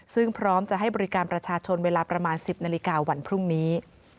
ซึ่งพร้อมจะให้บริการประชาชนเวลาประมาณ๑๐นาฬิกาวันพรุ่งนี้